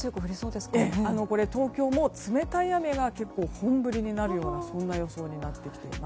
東京も冷たい雨が結構、本降りになるような予想になってきています。